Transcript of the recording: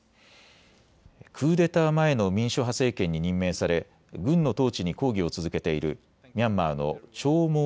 クーデター前の民主派政権に任命され軍の統治に抗議を続けているミャンマーのチョー・